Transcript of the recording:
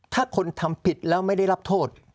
ถ้าคนทำผิดแล้วไม่ได้รับโทษ